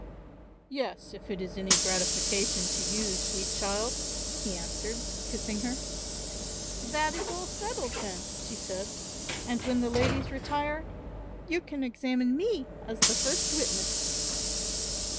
"Yes, if it is any gratification to you, sweet child," he answered, kissing her. "That is all settled then," she said, "and when the ladies retire, you can examine me as the first witness."